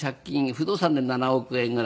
不動産で７億円ぐらい。